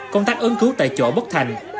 công tác ứng cứu tại chỗ bất thành